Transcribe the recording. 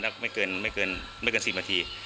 หลักจากเราทำประมาณไม่เกินสี่มันที